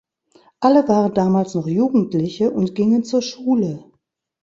Alle waren damals noch Jugendliche und gingen zur Schule.